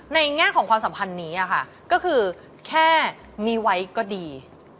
แง่ของความสัมพันธ์นี้ค่ะก็คือแค่มีไว้ก็ดี